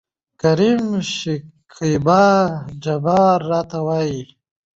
کريم : شکيبا جبار راته وايي.